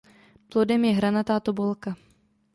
Plodem je hranatá tobolka.